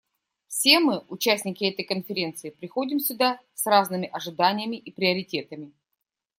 Все мы, участники этой Конференции, приходим сюда с разными ожиданиями и приоритетами.